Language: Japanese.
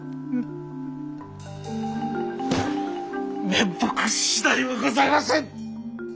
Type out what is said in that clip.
面目次第もございません！